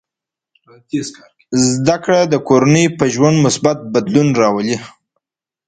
زده کړه د کورنۍ په ژوند مثبت بدلون راولي.